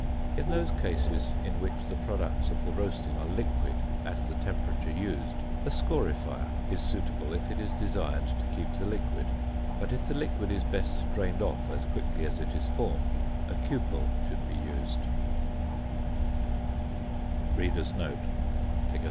In those cases in which the products of the roasting are liquid at the temperature used, a scorifier (fig. 38) is suitable if it is desired to keep the liquid; but if the liquid is best drained off as quickly as it is formed, a cupel (fig.